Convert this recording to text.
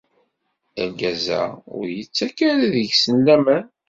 Argaza-a ur yettak ara deg-sen laman.